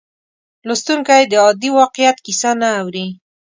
لوستونکی د عادي واقعیت کیسه نه اوري.